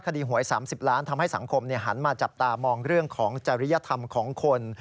หวย๓๐ล้านทำให้สังคมหันมาจับตามองเรื่องของจริยธรรมของคน